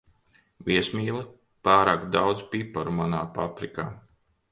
Viesmīli, pārāk daudz piparu manā paprikā.